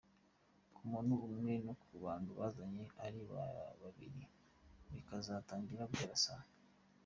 ku muntu umwe na ku bantu bazanye ari babiri bikazatangira guhera saa.